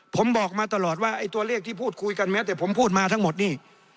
ผมบอกมาตลอดว่าไอ้ตัวเลขที่พูดคุยกันแม้แต่ผมพูดมาทั้งหมดนี่